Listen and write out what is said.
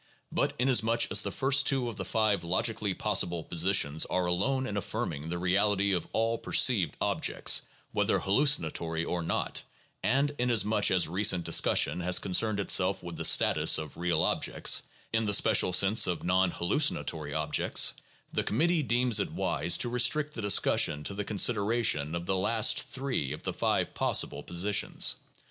But inasmuch as the first two of the five logically possible positions are alone in affirming the reality of all perceived objects, whether hallucinatory or not, and inasmuch as recent discussion has con cerned itself with the status of real objects (in the special sense of non hallucinatory objects), the committee deems it wise to restrict the discussion to the consideration of the last three of the five pos sible positions.